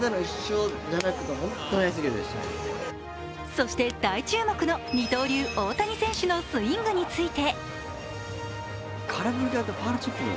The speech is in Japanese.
そして、大注目の二刀流大谷選手のスイングについて。